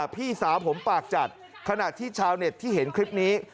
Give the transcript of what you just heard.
พี่สาวผมปากจัดขณะที่ชาวเน็ตที่เห็นคลิปนี้